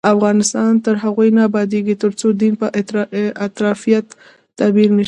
افغانستان تر هغو نه ابادیږي، ترڅو دین په افراطیت تعبیر نشي.